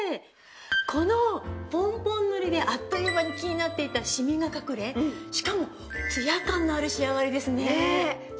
このポンポン塗りであっという間に気になっていたシミが隠れしかもツヤ感のある仕上がりですね。